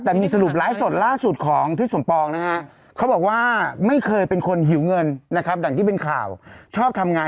แต่มีสรุปไลฟ์สดล่าสุดของทิศสมปองนะฮะ